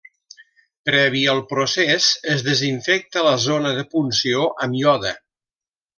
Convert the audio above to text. Previ al procés es desinfecta la zona de punció amb iode.